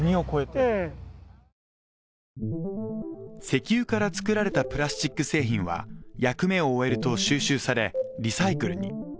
石油から作られたプラスチック製品は役目を終えると収集されリサイクルに。